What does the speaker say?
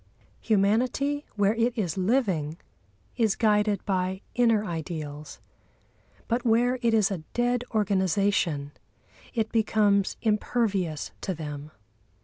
Humanity, where it is living, is guided by inner ideals; but where it is a dead organisation it becomes impervious to them.